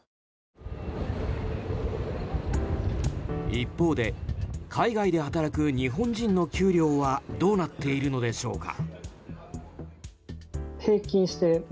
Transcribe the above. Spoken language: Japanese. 一方で海外で働く日本人の給料はどうなっているのでしょうか。